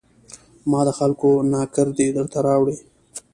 ما د خلکو ناکردې درته راوړي